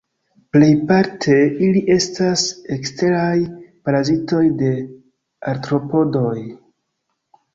Plejparte ili estas eksteraj parazitoj de artropodoj.